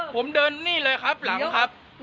ผมเดินนี่เลยครับหลังครับ